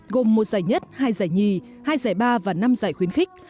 gồm một giải nhất hai giải nhì hai giải ba và năm giải khuyến khích